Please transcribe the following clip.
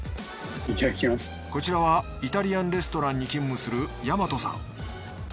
こちらはイタリアンレストランに勤務する大和さん。